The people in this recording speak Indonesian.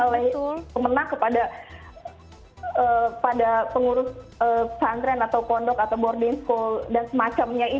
oleh pemenang kepada pengurus pesantren atau kondok atau boarding school dan semacamnya ini gitu